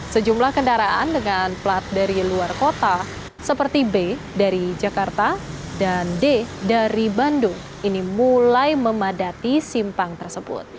sejumlah kendaraan dengan plat dari luar kota seperti b dari jakarta dan d dari bandung ini mulai memadati simpang tersebut